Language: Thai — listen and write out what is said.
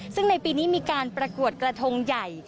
ซึ่งในปีนี้มีการประกวดกระทงใหญ่